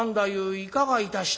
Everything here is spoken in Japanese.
いかがいたした？」。